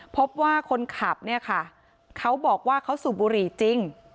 พบว่าคนขับเนี่ยค่ะเขาบอกว่าเขาสูบบุหรี่จริง